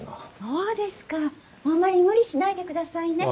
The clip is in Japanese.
そうですかあんまり無理しないでくださいね。